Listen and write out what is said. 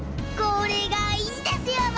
これがいいんですよ